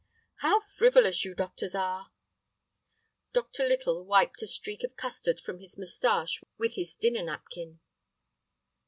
"How frivolous you doctors are!" Dr. Little wiped a streak of custard from his mustache with his dinner napkin.